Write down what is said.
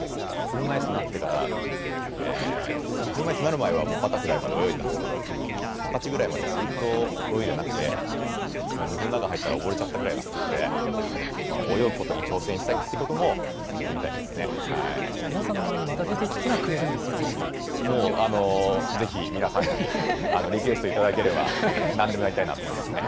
車いすになってから、車いすになる前はバタフライまで泳いでたんですけど、２０歳ぐらいまでずっと泳いでなくて、水の中入ったら溺れちゃったぐらいなんで、泳ぐことに挑戦したりっていうことも皆さんの前にまた出てきてはもうぜひ、皆さんにリクエスト頂ければ、なんでもやりたいなと思いますね。